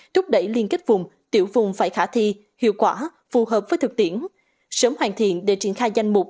thúc đẩy liên kết vùng tiểu vùng phải khả thi hiệu quả phù hợp với thực tiễn sớm hoàn thiện để triển khai danh mục